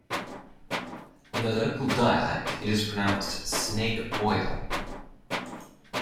In the local dialect it is pronounced 'snig oil'.